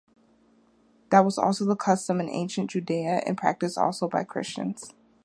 That was also the custom in ancient Judea and practiced also by Christians.